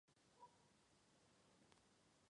苍山假瘤蕨为水龙骨科假瘤蕨属下的一个种。